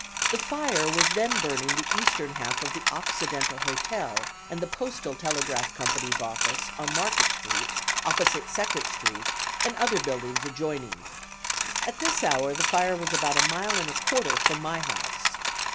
The fire was then burning the eastern half of the Occidental Hotel and the Postal Telegraph Company's office, on Market Street, opposite Second Street, and other buildings adjoining. At this hour the fire was about a mile and a quarter from my house.